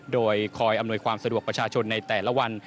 โดยคอยอำนวยความสะดวกประชาชนในแต่ละวัน